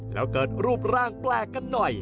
แล้วเกิดรูปร่างแปลกกันหน่อย